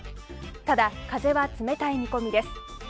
ただ、風は冷たい見込みです。